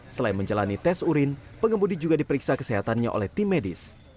selain menjalani tes urin pengemudi juga diperiksa kesehatannya oleh tim medis